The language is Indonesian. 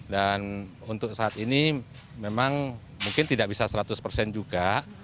dan untuk saat ini memang mungkin tidak bisa seratus persen juga